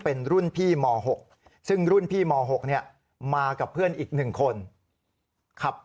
เป็นรุ่นพี่ม๖ซึ่งรุ่นพี่ม๖มากับเพื่อนอีก๑คนขับ